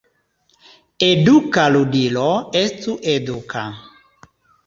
Eduka ludilo estu eduka.